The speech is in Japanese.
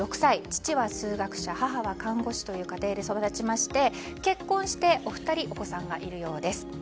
父は数学者母は看護師という家庭で育ちまして、結婚してお二人、お子さんがいるそうです。